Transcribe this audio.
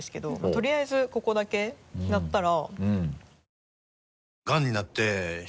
とりあえずここだけやったら。